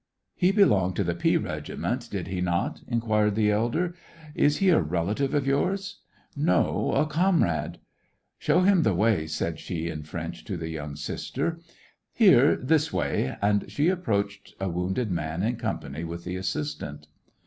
*' He belonged to the P regiment, did he 174 SEVASTOPOL IN AUGUST. not ?" inquired the elder. Is he a relative of yours ?" "No, a comrade." *'Show them the way," said she, in French, to the young sister. " Here, this way," and she approached a wounded man, in company with the assistant.